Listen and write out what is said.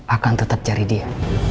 akan tetap cari dia